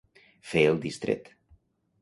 Fer el distret.